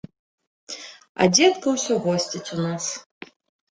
А дзедка ўсё госціць у нас!